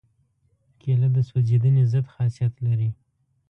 کېله د سوځېدنې ضد خاصیت لري.